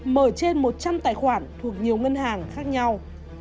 mở trên một trăm linh tài khoản thuộc nhiều ngân hàng khác nhau